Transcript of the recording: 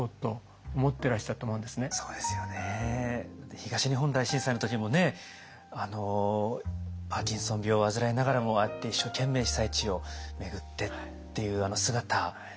東日本大震災の時にもパーキンソン病を患いながらもああやって一生懸命被災地を巡ってっていうあの姿。